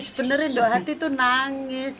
sebenarnya doa hati itu nangis